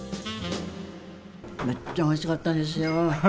めっちゃおいしかったですよ。